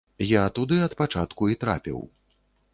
Я туды ад пачатку і трапіў.